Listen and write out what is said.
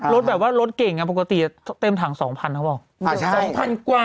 รถแบบว่ารถเก่งปกติเต็มถัง๒๐๐๐บาทครับหรือเปล่า